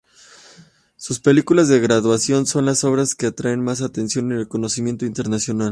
Sus películas de graduación son las obras que atraen más atención y reconocimiento internacional.